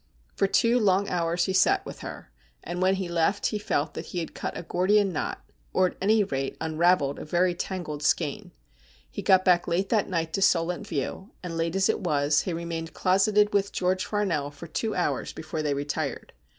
For two long hours he sat with her, and when he left he felt that he had cut a Gordian knot, or, at any rate, unravelled a very tangled skein. He got back late that night to Solent View, and, late as it was, he remained closeted with George Farnell for two hours before they retired.